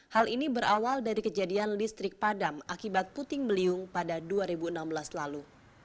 hal ini berawal dari kejadian listrik padam akibat puting beliung pada dua ribu enam belas lalu